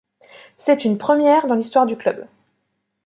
C'est une première dans l'histoire du club.